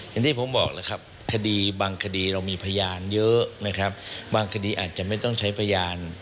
อย่างที่ผมบอกแล้วครับคดีบางคดีเรามีพยานเยอะนะครับบางคดีอาจจะไม่ต้องใช้พยาน